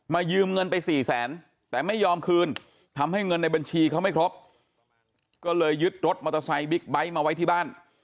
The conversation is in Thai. ยืมเงินไปสี่แสนแต่ไม่ยอมคืนทำให้เงินในบัญชีเขาไม่ครบก็เลยยึดรถมอเตอร์ไซค์บิ๊กไบท์มาไว้ที่บ้าน